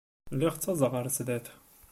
Lliɣ ttaẓeɣ ɣer sdat.